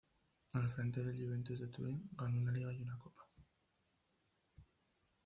Al frente del Juventus de Turín ganó una Liga y una Copa.